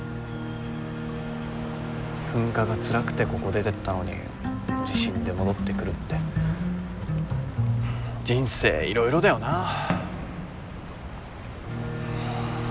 噴火がつらくてここ出てったのに地震で戻ってくるって人生いろいろだよなぁ。